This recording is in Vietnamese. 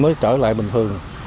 mới trở lại bình thường